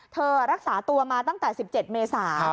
รักษาตัวมาตั้งแต่๑๗เมษา